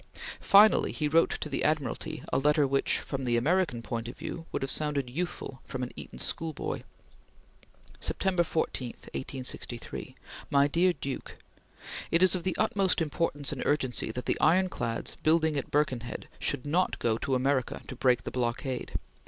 Finally he wrote to the Admiralty a letter which, from the American point of view, would have sounded youthful from an Eton schoolboy: September 14, 1863. MY DEAR DUKE: It is of the utmost importance and urgency that the ironclads building at Birkenhead should not go to America to break the blockade.